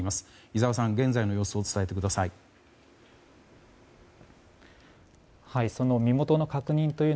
井澤さん、現在の様子を伝えてください。